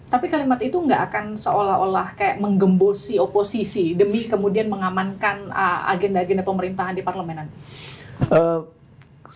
tapi kalimat itu nggak akan seolah olah kayak menggembosi oposisi demi kemudian mengamankan agenda agenda pemerintahan di parlemen nanti